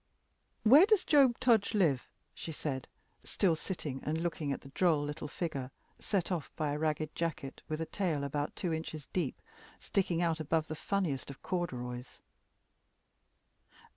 "Where does Job Tudge live?" she said, still sitting and looking at the droll little figure, set off by a ragged jacket with a tail about two inches deep sticking out above the funniest of corduroys.